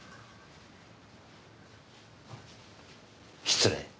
失礼。